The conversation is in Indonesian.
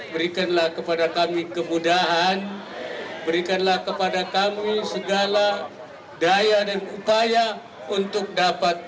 berikanlah kepada kami kemudahan berikanlah kepada kami segala daya dan upaya untuk dapat